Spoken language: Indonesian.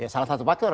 salah satu faktor